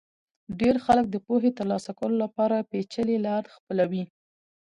ډېر خلک د پوهې ترلاسه کولو لپاره پېچلې لار خپلوي.